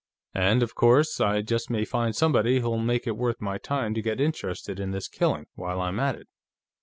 And, of course, I just may find somebody who'll make it worth my time to get interested in this killing, while I'm at it."